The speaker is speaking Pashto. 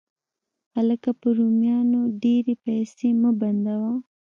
هلکه! په رومیانو ډېرې پیسې مه بندوه